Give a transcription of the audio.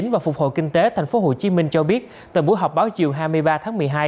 và phục hội kinh tế thành phố hồ chí minh cho biết từ buổi họp báo chiều hai mươi ba tháng một mươi hai